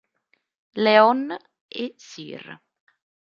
Leon e Sir.